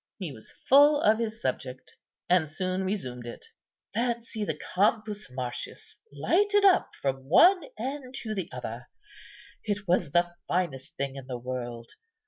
He was full of his subject, and soon resumed it. "Fancy the Campus Martius lighted up from one end to the other. It was the finest thing in the world.